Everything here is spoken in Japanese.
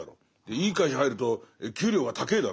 いい会社入ると給料が高ぇだろ。